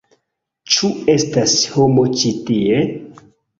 Ĉu estas homo ĉi tie?